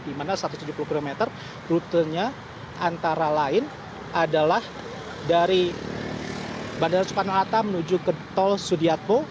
di mana satu ratus tujuh puluh km rutenya antara lain adalah dari bandara soekarno hatta menuju ke tol sudiatmo